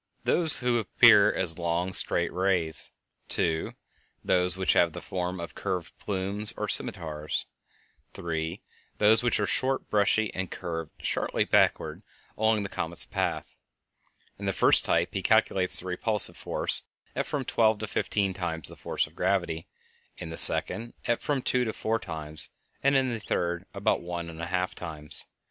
_ (1) Those which appear as long, straight rays; (2) Those which have the form of curved plumes or scimitars; (3) Those which are short, brushy, and curved sharply backward along the comet's path. In the first type he calculates the repulsive force at from twelve to fifteen times the force of gravity; in the second at from two to four times; and in the third at about one and a half times.